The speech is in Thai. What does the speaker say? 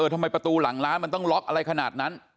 ทำไมประตูหลังร้านมันต้องล็อกอะไรขนาดนั้น